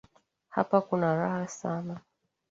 Hapa kuna raha sana